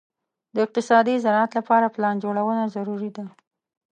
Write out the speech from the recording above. د اقتصادي زراعت لپاره پلان جوړونه ضروري ده.